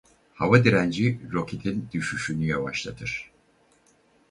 Hava direnci roketin düşüşünü yavaşlatır.